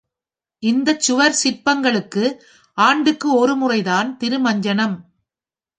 இந்தச் சுவர் சிற்பத்துக்கு ஆண்டுக்கு ஒரு முறைதான் திருமஞ்சனம்.